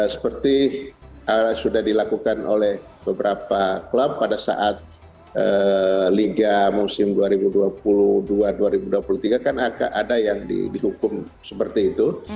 seperti sudah dilakukan oleh beberapa klub pada saat liga musim dua ribu dua puluh dua dua ribu dua puluh tiga kan ada yang dihukum seperti itu